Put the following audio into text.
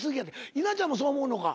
稲ちゃんもそう思うのか？